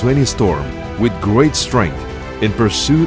untuk mendapatkan pengembangan yang lebih kuat